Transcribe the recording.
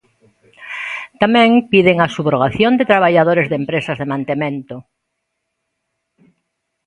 Tamén piden a subrogación de traballadores de empresas de mantemento.